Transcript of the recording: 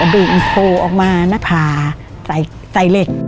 บิงโคลออกมาน่ะผ่าใส่เล็ก